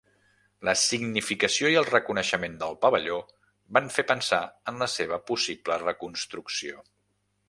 La significació i el reconeixement del Pavelló van fer pensar en la seva possible reconstrucció.